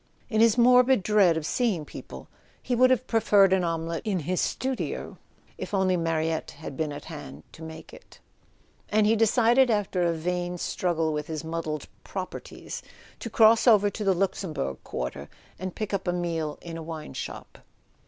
In his morbid dread of seeing people he would have preferred an omelette in the studio, if only Ma riette had been at hand to make it; and he decided, after a vain struggle with his muddled "properties," to cross over to the Luxembourg quarter and pick up a meal in a wine shop.